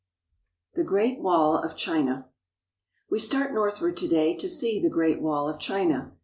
THE GREAT WALL OF CHINA WE start northward to day to see the Great Wall of China.